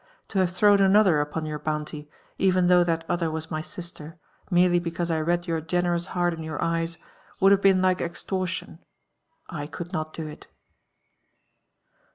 To have thrown another upon your bounty, even though that other was my sister, merely be cause I read your generous heart in your eyes, would have been like oxtorlion, — I could not do it."